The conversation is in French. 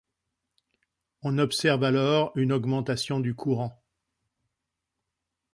On observe alors une augmentation du courant.